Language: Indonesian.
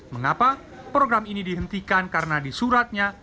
mengapa program ini dihentikan karena disuratkan